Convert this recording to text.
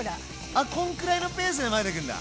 あっこんくらいのペースで混ぜてくんだ。